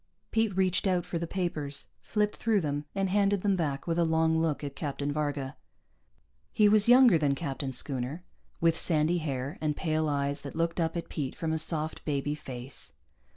Pete reached out for the papers, flipped through them, and handed them back with a long look at Captain Varga. He was younger than Captain Schooner, with sandy hair and pale eyes that looked up at Pete from a soft baby face.